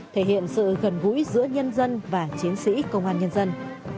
thể hiện sự gần gũi giữa nhân dân và chiến sĩ công an nhân dân